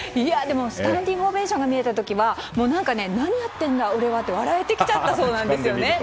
スタンディングオベーションが見れた時は何やってるんだ、俺はって笑えてきちゃったそうです。